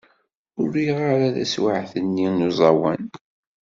Ur riɣ ara tawsit-nni n uẓawan.